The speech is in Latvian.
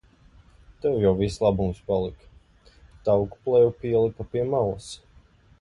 Tev jau viss labums palika. Tauku plēve pielipa pie malas.